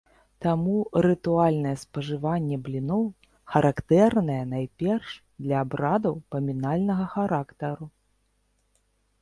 Таму рытуальнае спажыванне бліноў характэрнае найперш для абрадаў памінальнага характару.